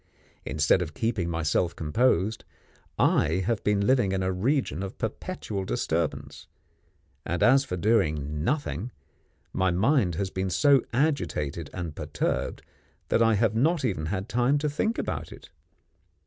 Instead of keeping myself composed, I have been living in a region of perpetual disturbance; and, as for doing nothing, my mind has been so agitated and perturbed that I have not even had time to think about it.